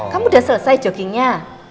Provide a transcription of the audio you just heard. kamu udah selesai joggingnya